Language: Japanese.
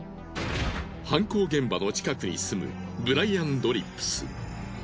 犯行現場の近くに住むブライアン・ドリップス。